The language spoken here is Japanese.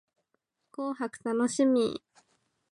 紅白楽しみ